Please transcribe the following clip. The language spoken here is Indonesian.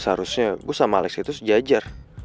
seharusnya gue sama malaysia itu sejajar